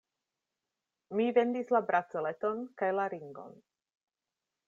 Mi vendis la braceleton kaj la ringon.